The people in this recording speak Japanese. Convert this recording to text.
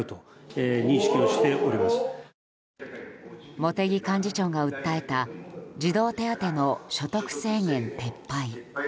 茂木幹事長が訴えた児童手当の所得制限撤廃。